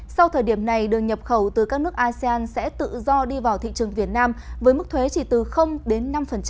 sau thời điểm này đường nhập khẩu từ các nước asean sẽ tự do đi vào thị trường việt nam với mức thuế chỉ từ đến năm